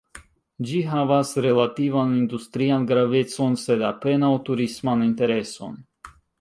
Ĝi havas relativan industrian gravecon, sed apenaŭ turisman intereson.